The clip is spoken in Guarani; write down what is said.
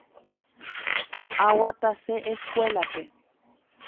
Aguatase escuelape.